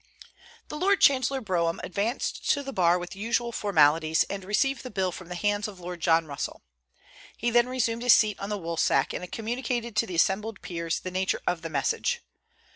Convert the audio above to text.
The Lord Chancellor Brougham advanced to the bar with the usual formalities, and received the bill from the hands of Lord John Russell. He then resumed his seat on the woolsack, and communicated to the assembled peers the nature of the message.